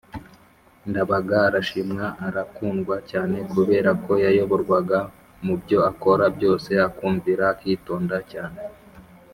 Ndabaga arashimwa arakundwa cyane!kubera ko yayoborwaga mu byo akora byose akwumvira akitonda cyane